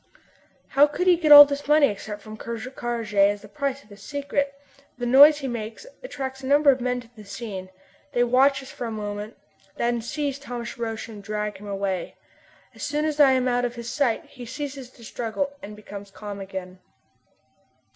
How could he get all this money except from Ker Karraje, and as the price of his secret? The noise he makes attracts a number of men to the scene. They watch us for a moment, then seize Thomas Roch and drag him away. As soon as I am out of his sight he ceases to struggle and becomes calm again.